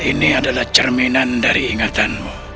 ini adalah cerminan dari ingatan